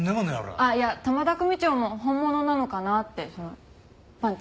あっいや玉田組長も本物なのかなってそのパンチ。